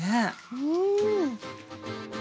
うん。